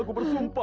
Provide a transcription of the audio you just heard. aku bersumpah bu